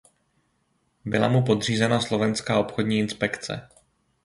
Byla mu podřízena Slovenská obchodní inspekce.